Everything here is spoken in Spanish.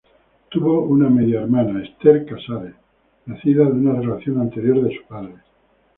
Tuvo una media hermana, Esther Casares, nacida de una relación anterior de su padre.